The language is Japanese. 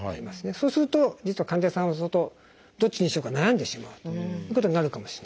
そうすると実は患者さんはどっちにしようか悩んでしまうということになるかもしれないですね。